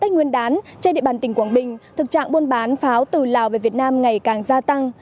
trên địa bàn tỉnh quảng bình thực trạng buôn bán pháo từ lào về việt nam ngày càng gia tăng